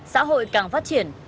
xã hội càng phát triển